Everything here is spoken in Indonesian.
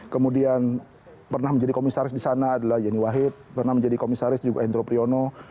kemudian pernah menjadi komisaris di sana adalah yeni wahid pernah menjadi komisaris juga endro priyono